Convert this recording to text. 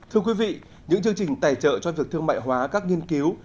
thưa quý vị những chương trình tài trợ cho việc thương mại hóa các nghiên cứu